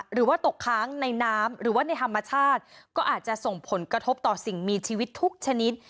หรือว่าตกค้างในน้ำหรือว่าในธรรมชาติก็อาจจะส่งผลกระทบต่อสิ่งมีชีวิตทุกชนิด